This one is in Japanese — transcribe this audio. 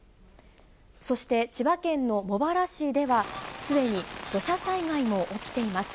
そして千葉県の茂原市では、すでに土砂災害も起きています。